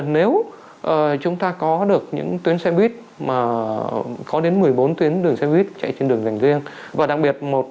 nếu chúng ta có được những tuyến xe buýt mà có đến một mươi bốn tuyến đường xe buýt chạy trên đường dành riêng và đặc biệt